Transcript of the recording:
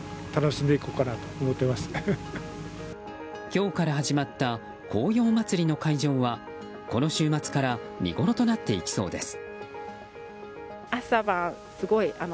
今日から始まった紅葉まつりの会場はこの週末から見ごろとなっていきそうです。